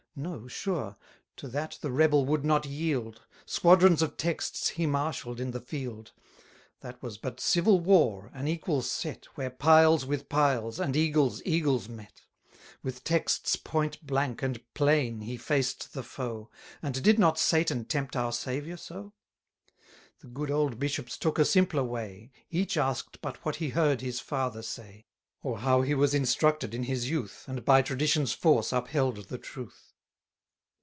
No, sure; to that the rebel would not yield; Squadrons of texts he marshall'd in the field: That was but civil war, an equal set, 160 Where piles with piles, and eagles eagles met. With texts point blank and plain he faced the foe. And did not Satan tempt our Saviour so? The good old bishops took a simpler way; Each ask'd but what he heard his father say, Or how he was instructed in his youth, And by tradition's force upheld the truth.